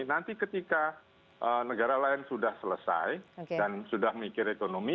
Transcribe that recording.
nanti ketika negara lain sudah selesai dan sudah mikir ekonomi